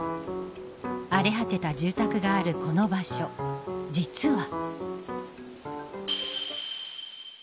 荒れ果てた住宅があるこの場所実は。